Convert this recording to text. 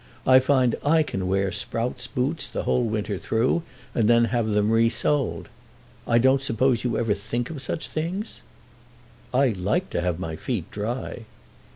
I find I can wear Sprout's boots the whole winter through and then have them resoled. I don't suppose you ever think of such things?" "I like to have my feet dry."